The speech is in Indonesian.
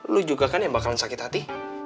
lu juga kan yang bakalan sakit hati